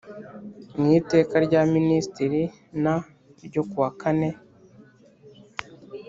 mu Iteka rya Minisitiri n ryo ku wakane